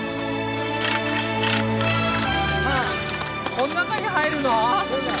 こん中に入るの？